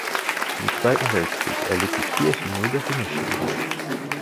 Im Zweiten Weltkrieg erlitt die Kirche nur geringe Schäden.